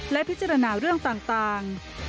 และพิจารณาเรื่องต่าง